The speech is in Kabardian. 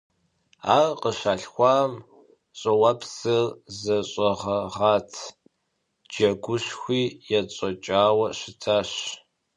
Ар къыщалъхуам, щӀыуэпсыр зэщӀэгъэгъат, джэгушхуи етщӀэкӀауэ щытащ.